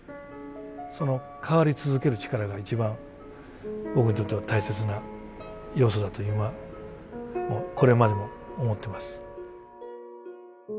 その変わり続ける力が一番僕にとっては大切な要素だと今もこれまでも思ってます。